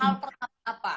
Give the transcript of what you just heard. hal pertama apa